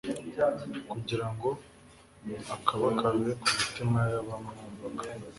kugira ngo akabakabe ku mitima y'abamwumvaga.